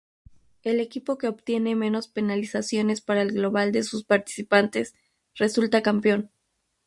El equipo que obtiene menos penalizaciones para el global de sus participantes resulta campeón.